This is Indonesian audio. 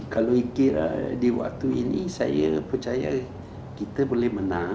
kalau di waktu ini saya percaya kita boleh menang